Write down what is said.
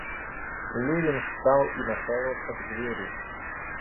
Левин встал и направился к двери.